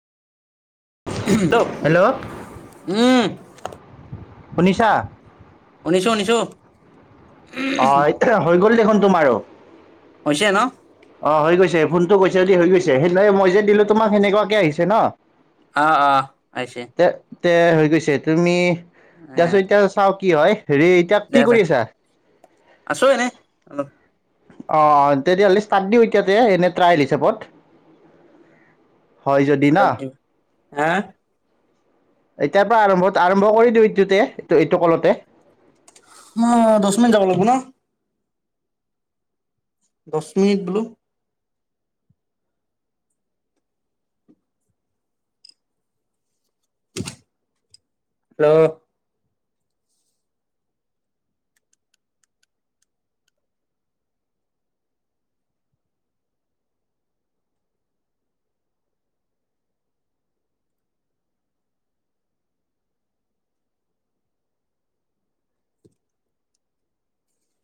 Hello, উম। শুনিছা? শুনিছোঁ শুনিছোঁ। অ' এতিয়া হৈ গল দেখোন তোমাৰো। হৈছে ন? অ' হৈ গৈছে, ফোনটো গৈছে যদি হৈ গৈছে, সেইদিনা মই যে দিলো তোমাক সেনেকুৱাকে আহিছে ন? অ' অ' আহিছে। তে তে হৈ গৈছে, তুমি এ দে চোন এতিয়া চাউ কি হয়। হেৰি এতিয়া দে কি দে কৰি আছা আছো এনে অলপ অঁ তেতিয়াহ'লেি তাত দি এতিয়াতে এনে ট্ৰাইেল হিচাপত হয় যদি না হা এতিয়াৰ পৰা আৰম্ভ আৰম্ভ কৰি দিওঁ এইটোতে এই এইটো কলতে মই দহ মিনিট যাব লাগিব ন দহ মিনিট বোলো হেল্ল'